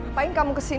apaan kamu kesini